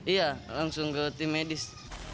iya langsung ke tim medis